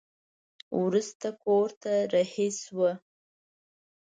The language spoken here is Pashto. وروسته کور ته رهي شوه.